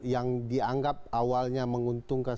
yang dianggap awalnya menguntungkan